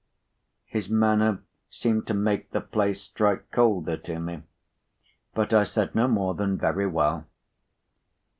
His manner seemed to make the place strike colder to me, but I said no more than "Very well."